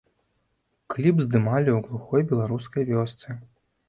Кліп здымалі ў глухой беларускай вёсцы.